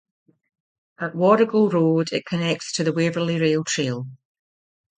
At Warrigal Road it connects to the Waverley Rail Trail.